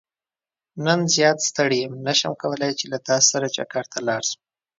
نن زيات ستړى يم نه شم کولاي چې له تاسو سره چکرته لاړ شم.